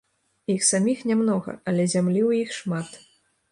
Іх саміх нямнога, але зямлі ў іх шмат.